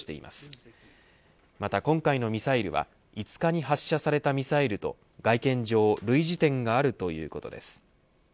また今回のミサイルは５日に発射されたミサイルと外見上類似点があるということです。